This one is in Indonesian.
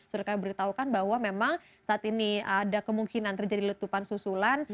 sudah kami beritahukan bahwa memang saat ini ada kemungkinan terjadi letupan susulan